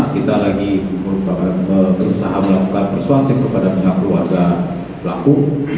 kita lagi berusaha melakukan persuasif kepada pihak keluarga pelaku